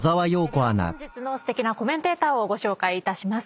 では本日のすてきなコメンテーターをご紹介いたします。